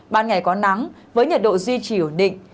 ban ngày có nắng với nhiệt độ duy trì ổn định